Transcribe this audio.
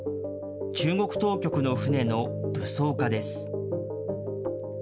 中国当局の船の武装化です。